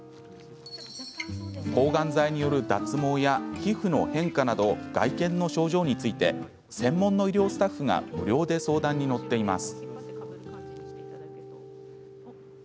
抗がん剤による脱毛や皮膚の変化など外見の症状について専門の医療スタッフが無料で相談に乗っています。